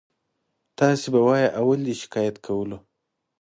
تاسې به وایئ اول دې شکایت کولو.